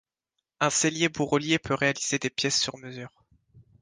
Un sellier-bourrelier peut réaliser des pièces sur mesure.